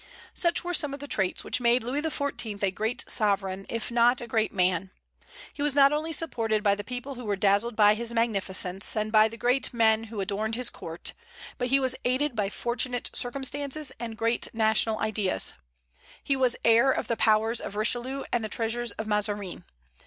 Such were some of the traits which made Louis XIV. a great sovereign, if not a great man. He was not only supported by the people who were dazzled by his magnificence, and by the great men who adorned his court, but he was aided by fortunate circumstances and great national ideas. He was heir of the powers of Richelieu and the treasures of Mazarin.